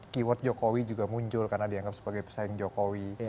keyword jokowi juga muncul karena dianggap sebagai pesaing jokowi